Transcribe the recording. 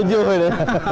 iya anggota ke tujuh